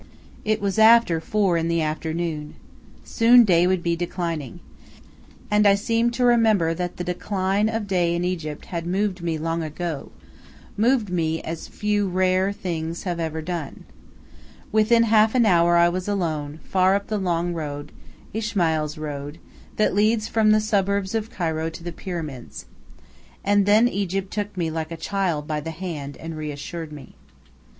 It was after four in the afternoon. Soon day would be declining. And I seemed to remember that the decline of day in Egypt had moved me long ago moved me as few, rare things have ever done. Within half an hour I was alone, far up the long road Ismail's road that leads from the suburbs of Cairo to the Pyramids. And then Egypt took me like a child by the hand and reassured me.